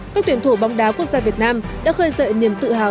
các tuyển thủ bóng đá quốc gia việt nam đã khơi dậy niềm tự hào